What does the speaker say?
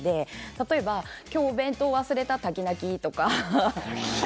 例えば今日お弁当、忘れた滝泣とか。